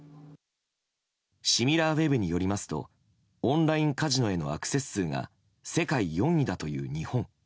シミラーウェブによりますとオンラインカジノへのアクセス数が世界４位だという日本。